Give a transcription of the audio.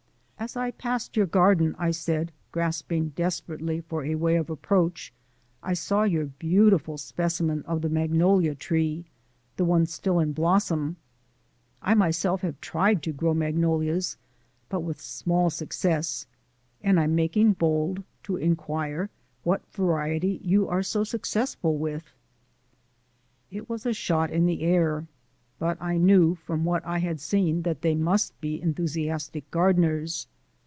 "As I passed your garden," I said, grasping desperately for a way of approach, "I saw your beautiful specimen of the magnolia tree the one still in blossom. I myself have tried to grow magnolias but with small success and I'm making bold to inquire what variety you are so successful with." It was a shot in the air but I knew from what I had seen that they must be enthusiastic gardeners.